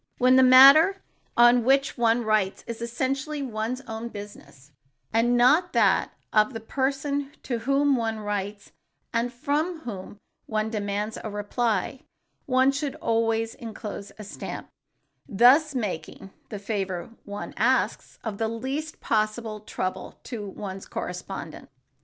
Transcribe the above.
When the matter on which one writes is essentially one's own business, and not that of the person to whom one writes and from whom one demands a reply, one should always enclose a stamp, thus making the favor one asks of the least possible trouble to one's correspondent.